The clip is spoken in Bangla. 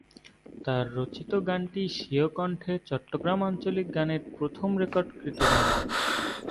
তার রচিত গানটি স্বীয় কন্ঠে চট্টগ্রাম আঞ্চলিক গানের প্রথম রেকর্ডকৃত গান।